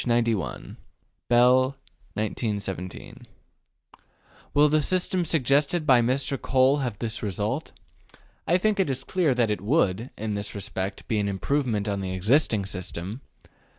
91). Bell, 1917. Will the system suggested by Mr. Cole have this result? I think it is clear that it would, in this respect, be an improvement on the existing system.